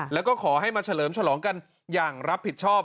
แล้วก็ขอให้มาเฉลิมฉลองกันอย่างรับผิดชอบ